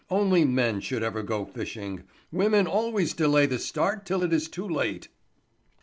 Only men should ever go fishing. Women always delay the start till it is too late."